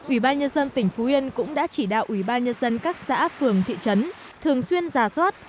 ủy ban nhân dân tỉnh phú yên cũng đã chỉ đạo ủy ban nhân dân các xã phường thị trấn thường xuyên giả soát